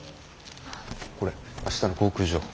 これ明日の航空情報。